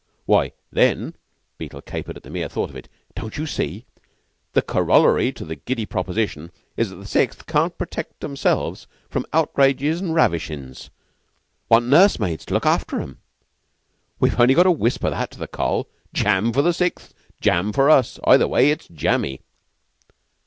"Why, then!" Beetle capered at the mere thought of it. "Don't you see? The corollary to the giddy proposition is that the Sixth can't protect 'emselves from outrages an' ravishin's. Want nursemaids to look after 'em! We've only got to whisper that to the Coll. Jam for the Sixth! Jam for us! Either way it's jammy!"